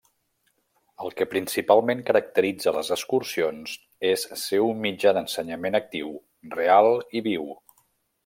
El que principalment caracteritza les excursions és ser un mitjà d'ensenyament actiu, real i viu.